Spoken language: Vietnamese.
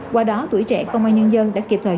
qua đó tuổi trẻ công an nhân dân đã kịp thời